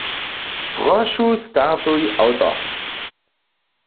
Prošu startuj awto.